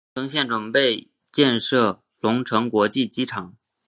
隆城县准备建设隆城国际机场。